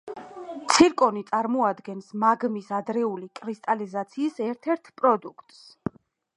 ცირკონი წარმოადგენს მაგმის ადრეული კრისტალიზაციის ერთ-ერთ პროდუქტს.